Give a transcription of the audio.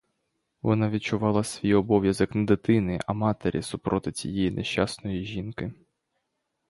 Вона відчувала свій обов'язок не дитини, а матері супроти цієї нещасної жінки.